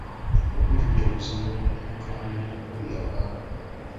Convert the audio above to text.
Olubiri lujja kuzimbibwa mu ttwale ly'omukulu eyavaako.